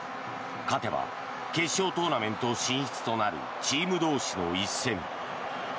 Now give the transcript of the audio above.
勝てば決勝トーナメント進出となるチーム同士の一戦。